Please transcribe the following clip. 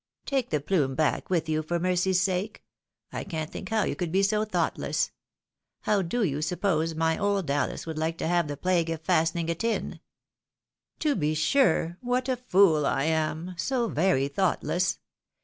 " Take the plume back with you, for mercy's sake. I can't think how you could be so thoughtless ! How do you suppose my old Alice would like to have the plague of fastening it in ?"" To be sure ! what a fool I am ! so very thoughtless